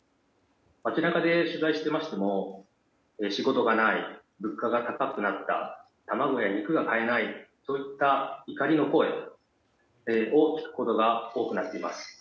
街中で取材していましても仕事がない、物価が高くなった卵や肉が買えないといった怒りの声を聞くことが多くなっています。